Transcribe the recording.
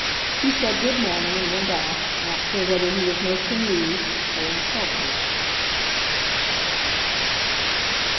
He said good morning and went off, not sure whether he was most amused or insulted.